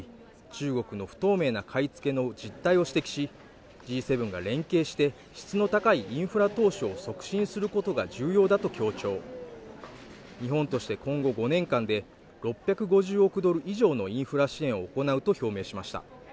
中国の不透明な買い付けの実態を指摘しＧ７が連携して質の高いインフラ投資を促進することが重要だと強調日本として今後５年間で６５０億ドル以上のインフラ支援を行うと表明しました